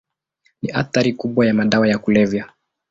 Hii ni athari kubwa ya madawa ya kulevya.